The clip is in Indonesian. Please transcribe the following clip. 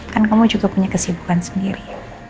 kan kamu juga punya kesibukan sendiri